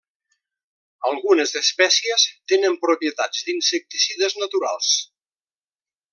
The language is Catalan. Algunes espècies tenen propietats d'insecticides naturals.